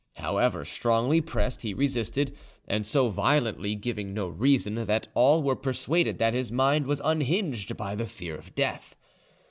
However strongly pressed, he resisted, and so violently, giving no reason, that all were persuaded that his mind was unhinged by the fear of death.